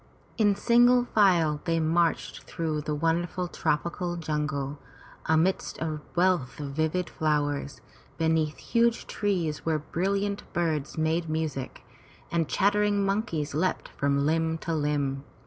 In single file they marched through the wonderful tropical jungle, amidst a wealth of vivid flowers, beneath huge trees where brilliant birds made music, and chattering monkeys leapt from limb to limb.